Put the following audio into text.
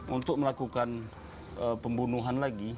untuk melakukan pembunuhan lagi